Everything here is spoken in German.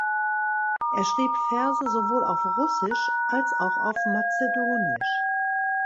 Er schrieb Verse sowohl auf Russisch als auch auf Mazedonisch.